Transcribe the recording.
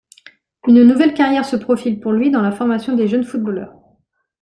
Une nouvelle carrière se profile pour lui dans la formation des jeunes footballeurs.